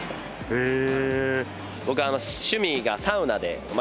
へえ。